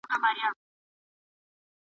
د ماشومانو د وزن کمېدل وروسته د ستونزو سبب کېږي.